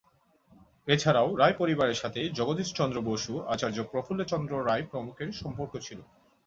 এছাড়াও রায় পরিবারের সাথে জগদীশ চন্দ্র বসু, আচার্য প্রফুল্লচন্দ্র রায় প্রমুখের সম্পর্ক ছিল।